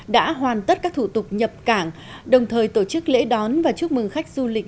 đã hoàn tất các thủ tục nhập cảng đồng thời tổ chức lễ đón và chúc mừng khách du lịch